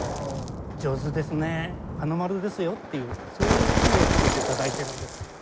「上手ですね花丸ですよ」っていうそういう意味を込めてたたいてるんです。